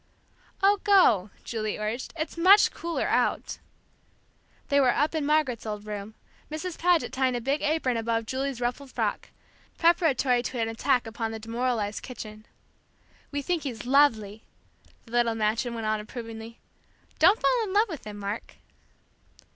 "Oh, go," Julie urged, "it's much cooler out." They were up in Margaret's old room, Mrs. Paget tying a big apron about Julie's ruffled frock, preparatory to an attack upon the demoralized kitchen. "We think he's lovely," the little matron went on approvingly. "Don't fall in love with him, Mark."